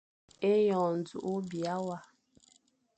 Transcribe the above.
Eyon njuk o biya wa.